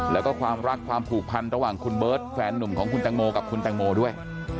แล้วก็ความรักความผูกพันระหว่างคุณเบิร์ตแฟนหนุ่มของคุณแตงโมกับคุณแตงโมด้วย